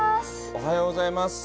おはようございます。